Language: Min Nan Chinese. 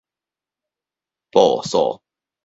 步數